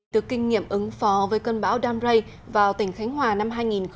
từ kinh nghiệm ứng phó với cơn bão dan ray vào tỉnh khánh hòa năm hai nghìn một mươi tám